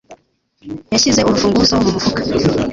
Yashyize urufunguzo mu mufuka.